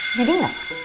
bisa diem gak